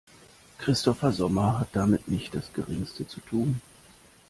Christopher Sommer hat damit nicht das Geringste zu tun.